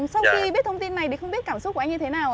sau khi biết thông tin này thì không biết cảm xúc của anh như thế nào